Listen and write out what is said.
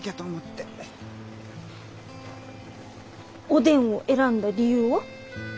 おでんを選んだ理由は？